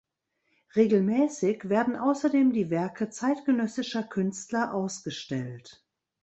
Regelmäßig werden außerdem die Werke zeitgenössischer Künstler ausgestellt.